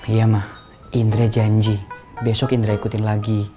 iya mah indra janji besok indra ikutin lagi